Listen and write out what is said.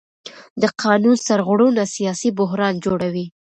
د قانون سرغړونه سیاسي بحران جوړوي